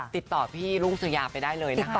ติดต่อพี่รุ่งสุยาไปได้เลยนะคะ